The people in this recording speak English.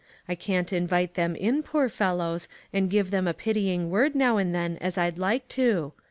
I can't invite them in, poor fellows, and give them a pity ing word now and then as I'd like to.